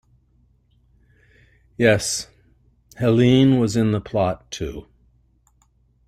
Yes, Helene was in the plot too.